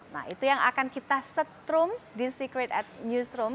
nah itu yang akan kita setrum di secret at newsroom